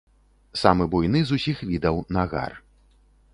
Самы буйны з усіх відаў нагар.